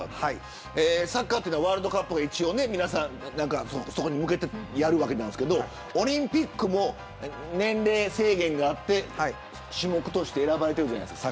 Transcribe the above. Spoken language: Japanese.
サッカーっていうのはワールドカップを皆さんそこに向けてやるわけですけどオリンピックも年齢制限があって種目として選ばれてるじゃないですか。